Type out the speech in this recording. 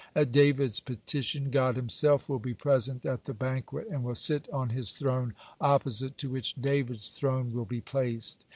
At David's petition, God Himself will be present at the banquet, and will sit on His throne, opposite to which David's throne will be placed.